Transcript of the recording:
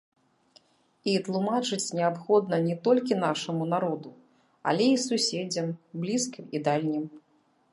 І тлумачыць неабходна не толькі нашаму народу, але і суседзям, блізкім і дальнім.